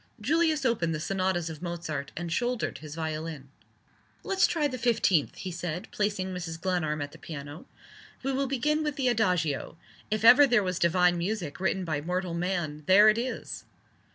Julius opened the Sonatas of Mozart, and shouldered his violin. "Let's try the Fifteenth," he said, placing Mrs. Glenarm at the piano. "We will begin with the Adagio. If ever there was divine music written by mortal man, there it is!"